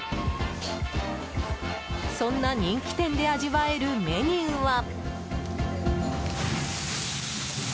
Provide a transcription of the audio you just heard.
そんな人気店で味わえるメニューは。